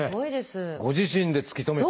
ご自身で突き止めて。